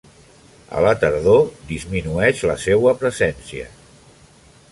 A la tardor disminueix la seua presència.